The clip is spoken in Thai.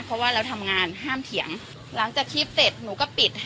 เพราะว่าเราทำงานห้ามเถียงหลังจากคลิปเสร็จหนูก็ปิด